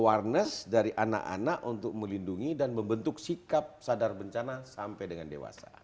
awareness dari anak anak untuk melindungi dan membentuk sikap sadar bencana sampai dengan dewasa